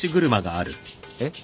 えっ。